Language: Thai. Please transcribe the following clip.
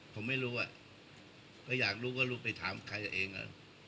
ผมไม่รู้อะก็อยากรู้ก็ไปถามใครเองนะ